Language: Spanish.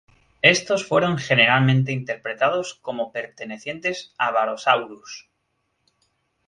Estos fueron generalmente interpretados como pertenecientes a "Barosaurus".